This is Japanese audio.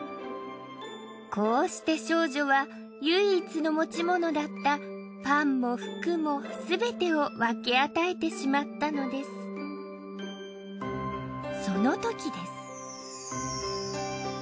こうして少女は唯一の持ち物だったパンも服もすべてを分け与えてしまったのですそのときです